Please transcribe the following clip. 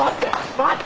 待って！